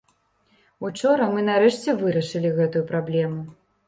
Учора мы, нарэшце, вырашылі гэтую праблему.